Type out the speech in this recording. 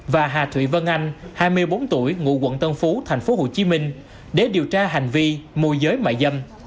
và hà thụy vân anh hai mươi bốn tuổi ngụ quận tân phú tp hcm để điều tra hành vi môi giới mại dâm